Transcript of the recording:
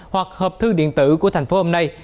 hoặc hợp thư điện tử của thành phố hôm nay